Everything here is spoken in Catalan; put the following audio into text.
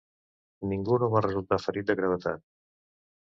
Ningú no va resultar ferit de gravetat.